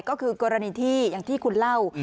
ก็คือกรณีที่อย่างที่คุณเล่า